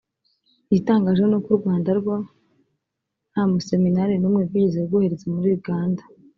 Igitangaje ni uko u Rwanda rwo nta museminari n’umwe rwigeze rwohereza kwiga muri Uganda